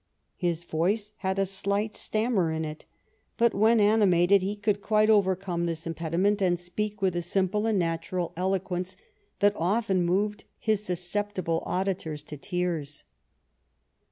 His voice had a slight stammer in it, but when animated he could quite overcome this impediment, and speak with a simple and natural eloquence that often moved his susceptible auditors to tears.